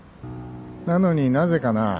なのになぜかな。